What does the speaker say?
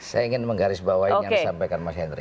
saya ingin menggaris bawah yang disampaikan mas henry